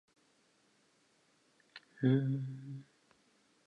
Allen was born in Sharon Township, Michigan and attended the district and select schools.